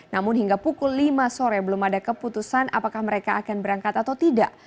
namun hingga pukul lima sore belum ada keputusan apakah mereka akan berangkat atau tidak